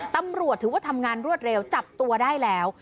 ตำรวจถือว่าทำงานรวดเร็วจับตัวได้แล้ว